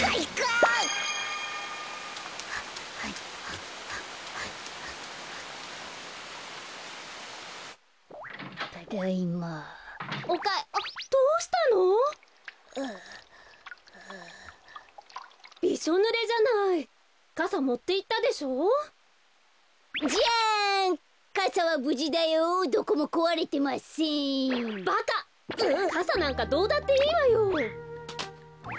かさなんかどうだっていいわよ。